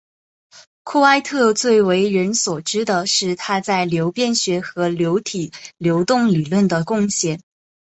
库埃特最为人所知的是他在流变学和流体流动理论的贡献。